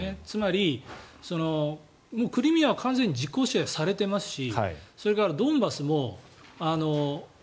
つまり、クリミアは完全に実効支配されてますしそれから、ドンバスも。